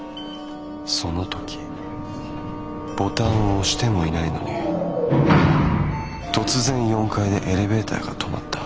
その時ボタンを押してもいないのに突然４階でエレベーターが止まった。